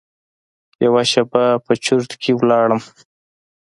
یوه شېبه په چرت کې لاړم.